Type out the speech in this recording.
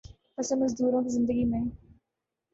یسے مزدوروں کی زندگی میں